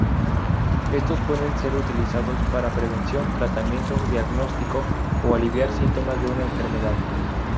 Estos pueden ser utilizados para prevención, tratamiento, diagnóstico o aliviar síntomas de una enfermedad.